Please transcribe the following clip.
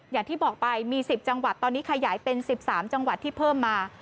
อย่างที่บอกไปมี๑๐จังหวัดตอนนี้ขยายเป็น๑๓จังหวัดที่เพิ่มมา